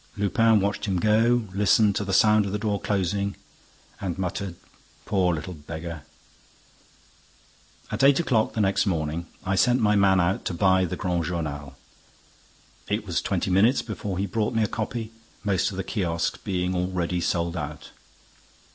Lupin watched him go, listened to the sound of the door closing and muttered: "Poor little beggar!" At eight o'clock the next morning, I sent my man out to buy the Grand Journal. It was twenty minutes before he brought me a copy, most of the kiosks being already sold out.